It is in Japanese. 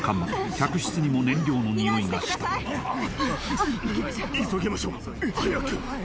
客室にも燃料のにおいがした・いきましょう急ぎましょう早く！